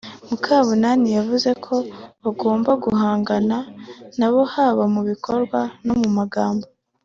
Mukabunani yavuze ko bagomba guhangana nabo haba mu bikorwa no mu magambo